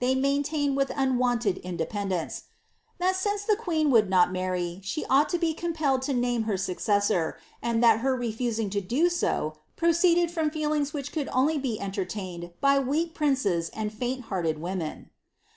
They maintained with unwonted independence, "^t an (he queen would not marry, she ought to be compelled to name her n cessor, and that her refusing to do so, proceeded from feelings trhi could only be enierlained by wrak princes and faint hearted women.